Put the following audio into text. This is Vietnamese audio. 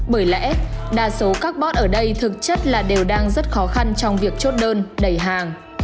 bởi lẽ đa số carbon ở đây thực chất là đều đang rất khó khăn trong việc chốt đơn đẩy hàng